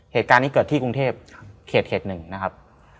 เหตุการณ์นี้เกิดที่กรุงเทพเขต๑นะครับ